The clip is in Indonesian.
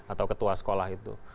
atau ketua sekolah itu